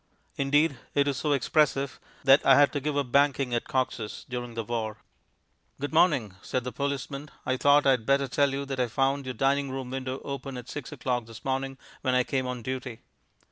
Indeed, it is so expressive that I had to give up banking at Cox's during the war. "Good morning," said the policeman. "I thought I'd better tell you that I found your dining room window open at six o'clock this morning when I came on duty."